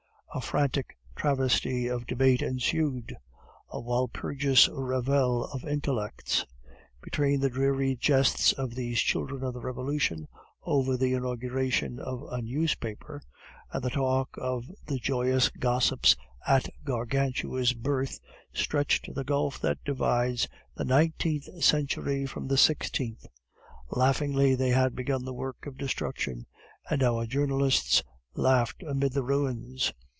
A frantic travesty of debate ensued, a Walpurgis revel of intellects. Between the dreary jests of these children of the Revolution over the inauguration of a newspaper, and the talk of the joyous gossips at Gargantua's birth, stretched the gulf that divides the nineteenth century from the sixteenth. Laughingly they had begun the work of destruction, and our journalists laughed amid the ruins.